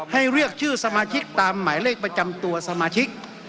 ให้เลือกชื่อสมาชิกตามหมายเลขประจำตัวสมาชิก